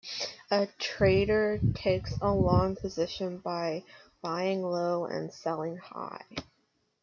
A trader takes a "long" position by buying low and selling high.